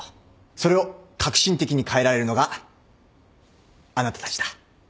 それを革新的に変えられるのがあなたたちだ。